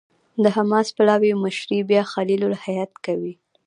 د حماس پلاوي مشري بیا خلیل الحية کوي.